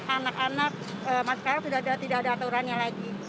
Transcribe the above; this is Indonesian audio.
anak anak sekarang sudah tidak ada aturannya lagi